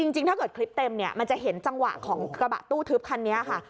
จริงถ้าเกิดคลิปเต็มเนี่ยมันจะเห็นจังหวะของกระบะตู้ทึบคันนี้ค่ะ